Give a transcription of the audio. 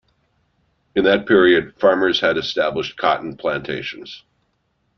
In that period, farmers had established cotton plantations.